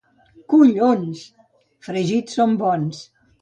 —Collons! —Fregits són bons.